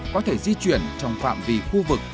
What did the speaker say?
có thể di chuyển trong phạm vi khu vực